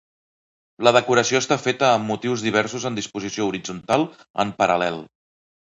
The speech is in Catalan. La decoració està feta amb motius diversos en disposició horitzontal en paral·lel.